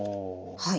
はい。